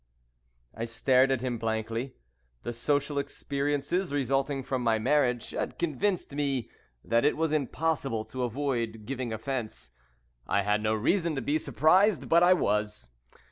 I stared at him blankly. The social experiences resulting from my marriage had convinced me that it was impossible to avoid giving offence. I had no reason to be surprised, but I was.